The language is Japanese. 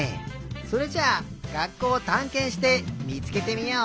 それじゃあがっこうをたんけんしてみつけてみよう！